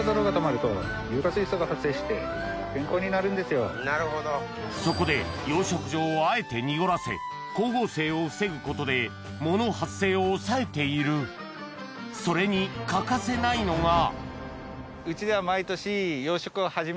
するとそこで養殖場をあえて濁らせ光合成を防ぐことで藻の発生を抑えているそれに欠かせないのがうちでは。